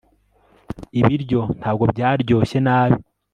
ibiryo ntabwo byaryoshye nabi